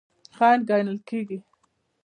خنډ ګڼل کیږي.